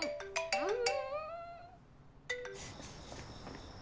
うん。